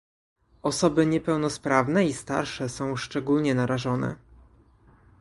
Osoby niepełnosprawne i starsze są szczególnie narażone